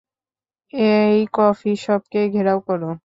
এই কফি শপকে ঘেরাও কর।